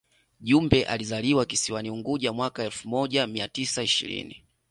Jumbe alizaliwa kisiwani Unguja mwaka elfu moja mia tisa ishirini